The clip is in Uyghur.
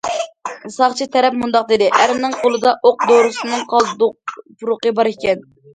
ساقچى تەرەپ مۇنداق دېدى: ئەرنىڭ قولىدا ئوق دورىسىنىڭ قالدۇق پۇرىقى بار ئىكەن.